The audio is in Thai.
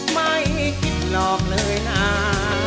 ไม่ให้คิดหลอกเลยน้า